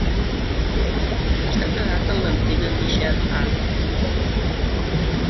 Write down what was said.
Està casat amb l'antiga Michele A.